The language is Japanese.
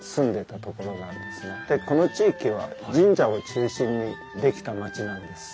でこの地域は神社を中心にできた町なんです。